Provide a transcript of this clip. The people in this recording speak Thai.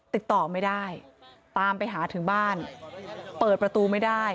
ติดต่อไม่ได้ตามไปหาถึงบ้านเปิดประตูไม่ได้